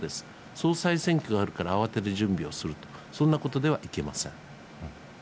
総裁選挙があるから慌てて準備をすると、そんなことではいけません。